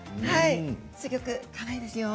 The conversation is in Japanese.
すごくかわいいですよ。